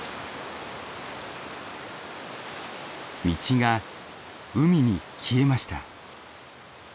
道が海に消えました。